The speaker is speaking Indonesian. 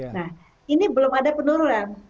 nah ini belum ada penurunan